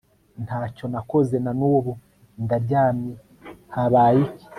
ntacyo nakoze nanubu ndaryamye habaye iki